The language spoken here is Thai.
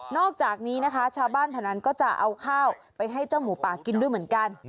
อกจากนี้นะคะชาวบ้านแถวนั้นก็จะเอาข้าวไปให้เจ้าหมูป่ากินด้วยเหมือนกัน